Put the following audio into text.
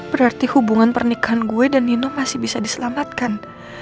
berarti hubungan pernikahan gue dan nino masih bisa diselamatkan